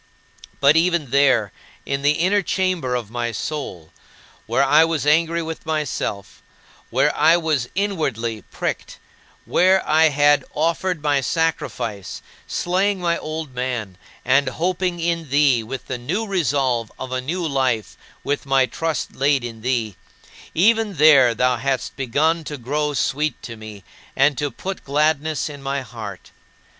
But even there, in the inner chamber of my soul where I was angry with myself; where I was inwardly pricked, where I had offered my sacrifice, slaying my old man, and hoping in thee with the new resolve of a new life with my trust laid in thee even there thou hadst begun to grow sweet to me and to "put gladness in my heart."